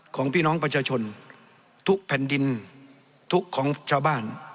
ของพี่น้องประชาชนทุกแผ่นดินทุกของชาวบ้าน